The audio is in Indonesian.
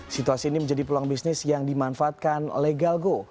situasi ini menjadi peluang bisnis yang dimanfaatkan legalgo